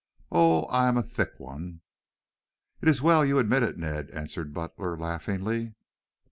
Oh, I am a thick one." "It's well you admit it, Ned," answered Butler laughingly.